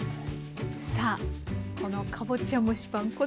さあこのかぼちゃ蒸しパン